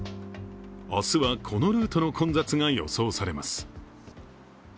明日はこのルートの混雑が予想されます。